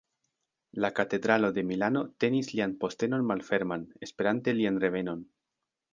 La katedralo de Milano tenis lian postenon malferman, esperante lian revenon.